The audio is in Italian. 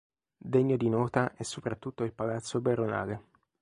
Degno di nota è soprattutto il Palazzo Baronale.